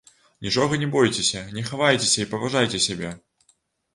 Нічога не бойцеся, не хавайцеся і паважайце сябе.